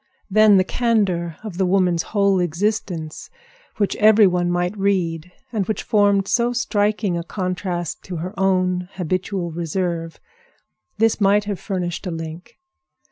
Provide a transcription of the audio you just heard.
Then the candor of the woman's whole existence, which every one might read, and which formed so striking a contrast to her own habitual reserve—this might have furnished a link.